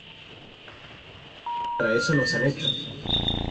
Para eso nos han hecho.